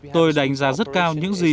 tôi đánh giá rất cao những gì